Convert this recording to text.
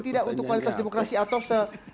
tidak untuk kualitas demokrasi atau se